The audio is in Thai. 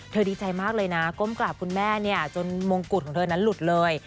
ดีใจมากเลยนะก้มกราบคุณแม่จนมงกุฎของเธอนั้นหลุดเลย